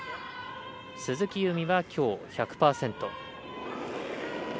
鈴木夕湖はきょう１００％。